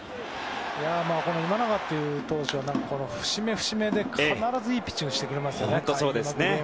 今永という投手は節目、節目で必ずいいピッチングをしてくれますね。